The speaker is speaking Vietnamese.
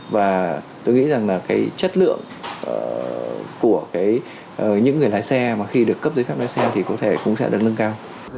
và tôi nghĩ rằng là cái chất lượng của những người lái xe mà khi được cấp giấy phép lái xe thì có thể cũng sẽ được nâng cao